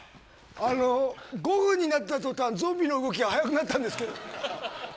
あの、５分になった途端ゾンビの動きが速くなったんですけど。